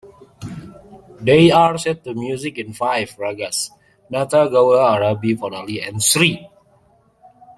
They are set to music in five ragas: Nata, Gaula, Arabhi, Varali and Sri.